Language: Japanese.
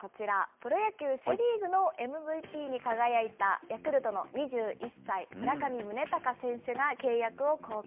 プロ野球・セ・リーグのＭＶＰに輝いた、ヤクルトの２１歳、村上宗隆選手が契約を更改。